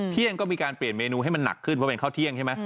เที่ยงก็มีการเปลี่ยนเมนูให้มันหนักขึ้นเพราะเป็นข้าวเที่ยงใช่ไหม